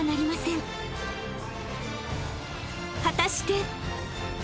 ［果たして］